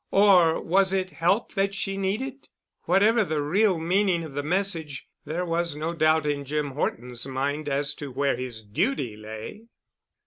Or was it help that she needed? Whatever the real meaning of the message, there was no doubt in Jim Horton's mind as to where his duty lay.